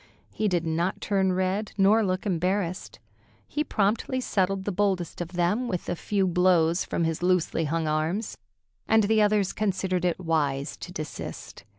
He did not turn red nor look embarrassed. He promptly settled the boldest of them with a few blows from his loosely hung arms, and the others considered it wise to desist.